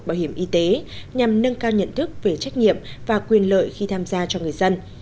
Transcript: bảo hiểm y tế nhằm nâng cao nhận thức về trách nhiệm và quyền lợi khi tham gia cho người dân